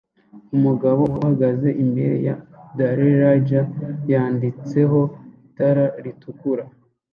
Umugabo uhagaze imbere ya Dale Jr yanditseho itara ritukura